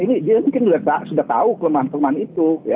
ini dia mungkin sudah tahu kelemahan kelemahan itu